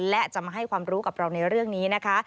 และจะมาให้ความรู้กับเราในเรื่องนี้นะคะ